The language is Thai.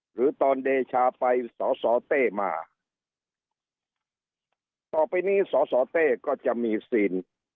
หรือตอนเดชาไปสสเต้มาต่อไปนี้สสเต้ก็จะมีซีน